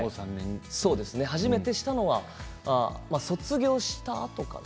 初めてしたのは卒業したあとかな？